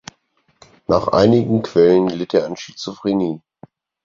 Nach einigen Quellen litt er an Schizophrenie.